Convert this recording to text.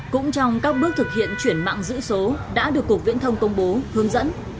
cũng trong các bước thực hiện chuyển mạng giữ số đã được cục viễn thông công bố hướng dẫn